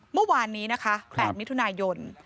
เมื่อวานนี้นะคะ๘มิถุนายน